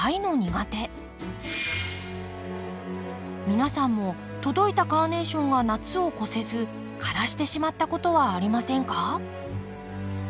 皆さんも届いたカーネーションが夏を越せず枯らしてしまったことはありませんか？